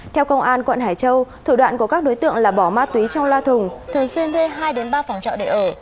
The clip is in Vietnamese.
theo công an quận hải châu thủ đoạn của các đối tượng là bỏ ma túy trong loa thùng thường xuyên thuê hai đến ba phòng trọ để ở